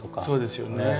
そうですよね。